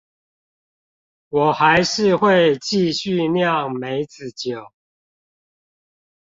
我還是會繼續釀梅子酒